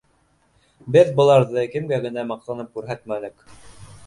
Беҙ быларҙы кемгә генә маҡтанып күрһәтмәнек.